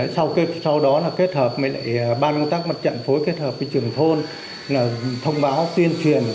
sau đó là kết hợp với ban công tác mặt trận phối kết hợp với trường thôn thông báo tuyên truyền